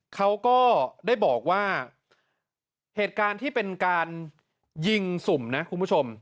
เขาก็ได้บอกว่าเหตุการณ์ที่เป็นการยิงสุ่มนะคุณผู้ชม